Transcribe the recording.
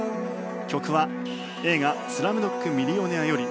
曲は映画「スラムドッグ・ミリオネア」より。